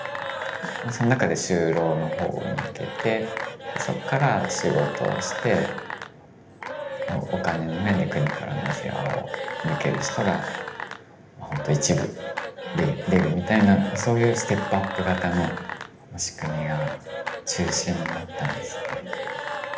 その中で就労の方にいけてそこから仕事をしてお金の面で国からの世話を抜ける人が一部出るみたいなそういうステップアップ型の仕組みが中心だったんですね。